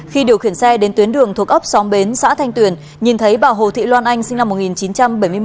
khi điều khiển xe đến tuyến đường thuộc ấp xóm bến xã thanh tuyền nhìn thấy bà hồ thị loan anh sinh năm một nghìn chín trăm bảy mươi một